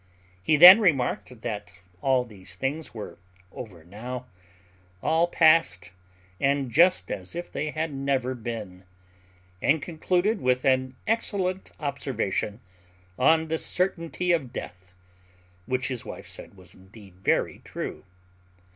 He then remarked, that all these things were over now, all passed, and just as if they had never been; and concluded with an excellent observation on the certainty of death, which his wife said was indeed very true.